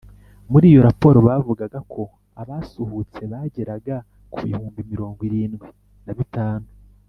Muri iyo raporo bavugaga ko abasuhutse bageraga ku bihumbi mirongo irindwi na bitanu